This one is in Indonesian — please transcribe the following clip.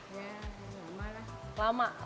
ya lama lah